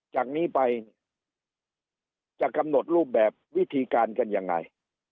จากนี้ไปจะกำหนดรูปแบบวิธีการกันยังไง